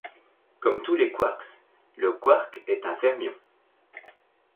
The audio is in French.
Comme tous les quarks, le quark est un fermion.